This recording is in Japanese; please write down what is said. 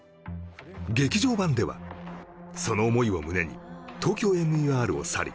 劇場版ではその思いを胸にＴＯＫＹＯＭＥＲを去り